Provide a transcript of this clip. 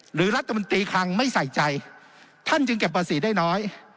หรือรัฐมนตรีคลังไม่ใส่ใจท่านจึงเก็บภาษีได้น้อย